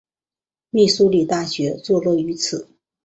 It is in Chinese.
密苏里大学坐落于此。